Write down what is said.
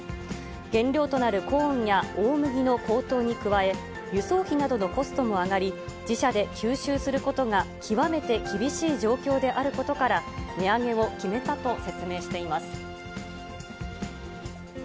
原料となるコーンや大麦の高騰に加え、輸送費などのコストも上がり、自社で吸収することが極めて厳しい状況であることから、値上げを決めたと説明しています。